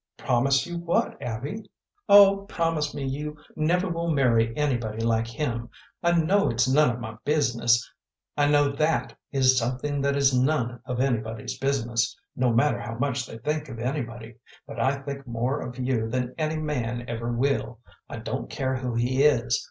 "Promise you what, Abby?" "Oh, promise me you never will marry anybody like him. I know it's none of my business I know that is something that is none of anybody's business, no matter how much they think of anybody; but I think more of you than any man ever will, I don't care who he is.